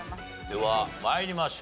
では参りましょう。